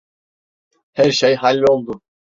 Her şey halloldu.